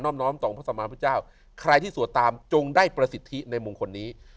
นอมน้อมต่อของพระสัมมาธิพเจ้าใครที่สวดตามจงได้ประสิทธิในมุมคนนี้